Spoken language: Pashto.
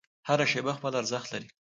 هره شیبه خپل ارزښت لري.